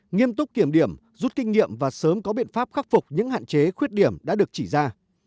nghiêm túc kiểm điểm rút kinh nghiệm và sớm có biện pháp khắc phục những hạn chế khuyết điểm đã được chỉ ra